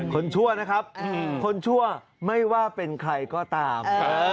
ชั่วนะครับคนชั่วไม่ว่าเป็นใครก็ตาม